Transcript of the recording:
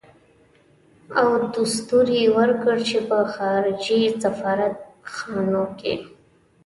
او دستور يې ورکړ چې په خارجي سفارت خانو کې.